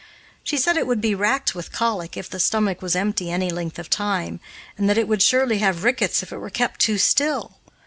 She said it would be racked with colic if the stomach was empty any length of time, and that it would surely have rickets if it were kept too still.